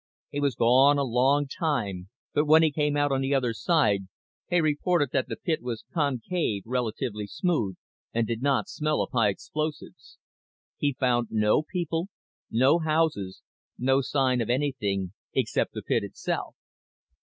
He was gone a long time but when he came out the other side he reported that the pit was concave, relatively smooth, and did not smell of high explosives. He'd found no people, no houses no sign of anything except the pit itself.